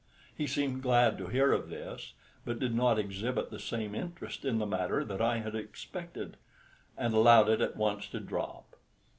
He seemed glad to hear of this, but did not exhibit the same interest in the matter that I had expected, and allowed it at once to drop.